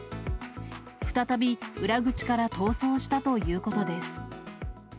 再び裏口から逃走したということです。